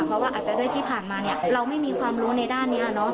เพราะว่าอาจจะด้วยที่ผ่านมาเนี่ยเราไม่มีความรู้ในด้านนี้เนอะ